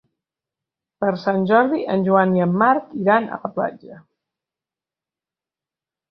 Per Sant Jordi en Joan i en Marc iran a la platja.